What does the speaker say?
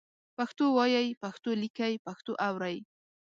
پښتو وایئ، پښتو لیکئ، پښتو اورئ